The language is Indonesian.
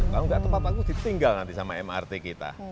tepat waktu ditinggal nanti sama mrt kita